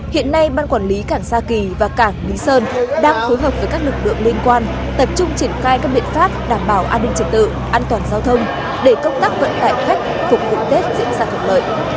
hiện nay ban quản lý cảng sa kỳ và cảng lý sơn đang phối hợp với các lực lượng liên quan tập trung triển khai các biện pháp đảm bảo an ninh trật tự an toàn giao thông để công tác vận tải khách phục vụ tết diễn ra thuận lợi